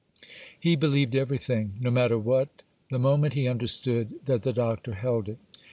He believed everything, no matter what, the moment he understood that the Doctor held it.